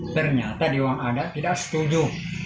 ternyata dewan adat tidak setuju